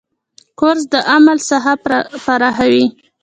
کورس د عمل ساحه پراخوي.